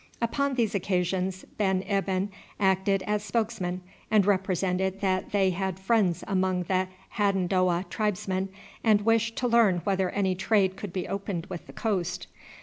Upon these occasions Ben Ibyn acted as spokesman and represented that they had friends among the Hadendowah tribesmen, and wished to learn whether any trade could be opened with the coast.